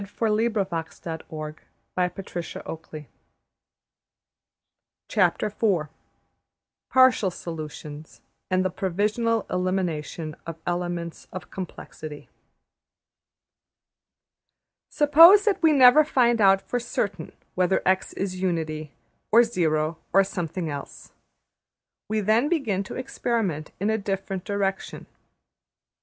\chapter[Partial Solutions\ldots\/Elements of Complexity]{Partial Solutions and the Provisional Elimination of Elements of Complexity} Suppose that we never find out for certain whether $x$ is unity or zero or something else, we then begin to experiment in a different direction.